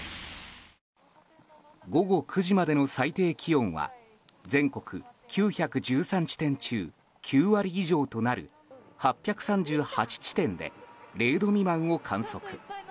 午後９時までの最低気温は全国９１３地点中９割以上となる８３８地点で０度未満を観測。